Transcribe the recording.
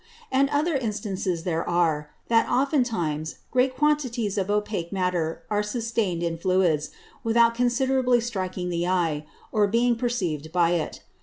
And other Instances there are, that oftentimes great quantities of Opake Matter are sustain'd in Fluids, without considerably striking the Eye, or being perceiv'd by it.